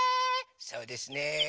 そうですね。